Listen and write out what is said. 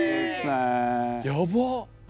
やばっ！